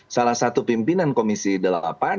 salah satu pimpinan komisi delapan